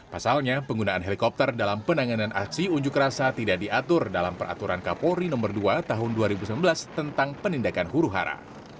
pasalnya penggunaan helikopter dalam penanganan aksi unjuk rasa tidak diatur dalam peraturan kapolri no dua tahun dua ribu sembilan belas tentang penindakan huru hara